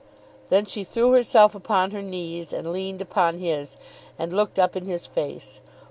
Then she threw herself upon her knees, and leaned upon his, and looked up in his face.